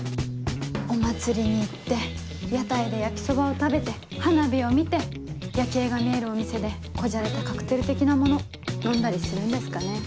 お祭りに行って屋台で焼きそばを食べて花火を見て夜景が見えるお店で小じゃれたカクテル的なもの飲んだりするんですかね。